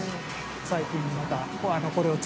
最近また。